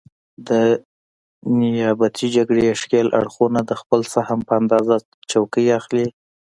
د نیابتي جګړې ښکېل اړخونه د خپل سهم په اندازه څوکۍ اخلي.